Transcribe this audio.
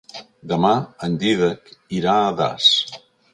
Demà en Dídac irà a Das.